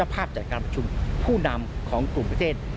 ภาพจากการประชุมผู้นำของกลุ่มประเทศ